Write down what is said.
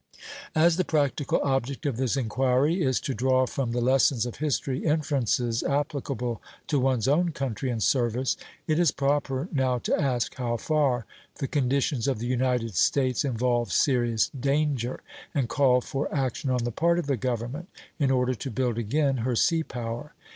As the practical object of this inquiry is to draw from the lessons of history inferences applicable to one's own country and service, it is proper now to ask how far the conditions of the United States involve serious danger, and call for action on the part of the government, in order to build again her sea power.